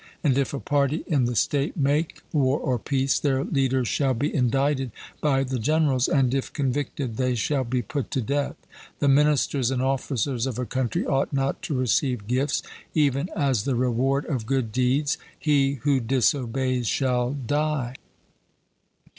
And if a party in the state make war or peace, their leaders shall be indicted by the generals, and, if convicted, they shall be put to death. The ministers and officers of a country ought not to receive gifts, even as the reward of good deeds. He who disobeys shall die.